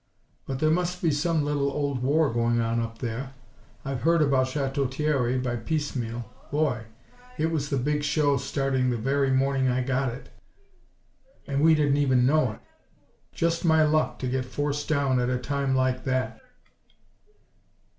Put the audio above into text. But there must be some little old war going on up there. I've heard about Chateau Thierry, by piecemeal. Boy! It was the big show starting the very morning I got it, and we didn't even know it. Just my luck to get forced down at a time like that!"